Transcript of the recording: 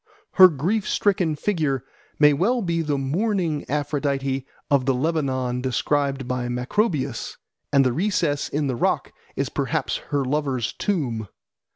Her grief stricken figure may well be the mourning Aphrodite of the Lebanon described by Macrobius, and the recess in the rock is perhaps her lover's tomb.